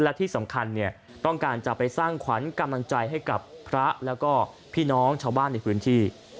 และที่สำคัญเนี่ยต้องการจะไปสร้างขวัญกำลังใจให้กับพระแล้วก็พี่น้องชาวบ้านในพื้นที่